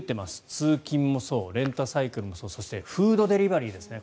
通勤もそうレンタサイクルもそうそしてフードデリバリーですね。